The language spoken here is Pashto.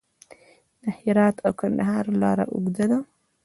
د هرات او کندهار لاره اوږده ده